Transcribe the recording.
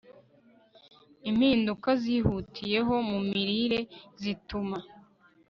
Impinduka zihutiyeho mu mirire zituma